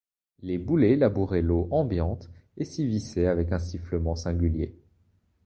Les boulets labouraient l’eau ambiante et s’y vissaient avec un sifflement singulier.